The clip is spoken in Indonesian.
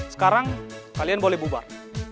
sekarang kalian boleh bubar